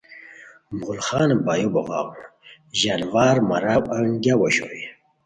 مغل خان بایو بوغاؤ ژانوار ماراؤ انگیاؤ اوشوئے